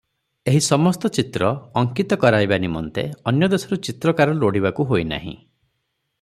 ଏହି ସମସ୍ତ ଚିତ୍ର ଅଙ୍କିତ କରାଇବା ନିମନ୍ତେ ଅନ୍ୟଦେଶରୁ ଚିତ୍ରକାର ଲୋଡ଼ିବାକୁ ହୋଇନାହିଁ ।